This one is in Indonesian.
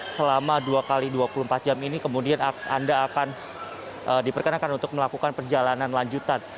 selama dua x dua puluh empat jam ini kemudian anda akan diperkenalkan untuk melakukan perjalanan lanjutan